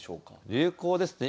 流行ですね。